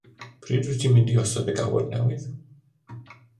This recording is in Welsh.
Pryd wyt ti'n mynd i osod y gawod newydd?